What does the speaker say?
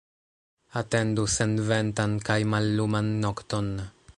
Atendu senventan kaj malluman nokton.